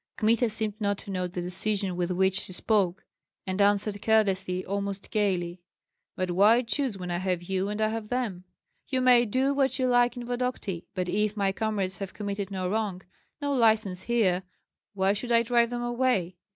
Kmita seemed not to note the decision with which she spoke, and answered carelessly, almost gayly: "But why choose when I have you and I have them? You may do what you like in Vodokty; but if my comrades have committed no wrong, no license here, why should I drive them away?